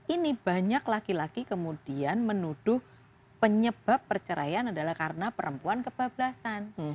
ini banyak laki laki kemudian menuduh penyebab perceraian adalah karena perempuan kebablasan